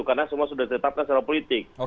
karena semua sudah ditetapkan secara politik